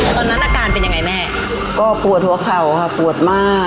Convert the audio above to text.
ตอนนั้นอาการเป็นยังไงแม่ก็ปวดหัวเข่าค่ะปวดมาก